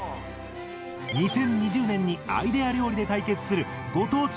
２０２０年にアイデア料理で対決する「ご当地！